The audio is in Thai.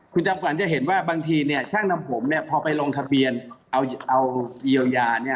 คุณจำกันจะเห็นว่าบางทีช่างนำผมพอไปลงทะเบียนเอาเยียวยา